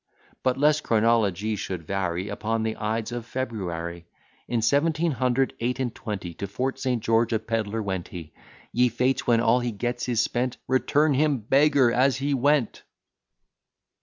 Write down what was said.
But lest chronology should vary, Upon the ides of February, In seventeen hundred eight and twenty, To Fort St. George, a pedler went he. Ye Fates, when all he gets is spent, RETURN HIM BEGGAR AS HE WENT!